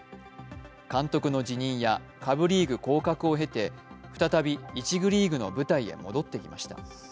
監督の辞任や下部リーグ降格を経て、再び一部リーグの舞台へ戻ってきました。